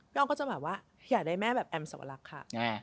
อ้อมก็จะแบบว่าอยากได้แม่แบบแอมสวรรคค่ะ